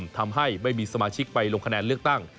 ทำให้ไม่มีสมาชิกไปลงคะแนนเลือกตั้ง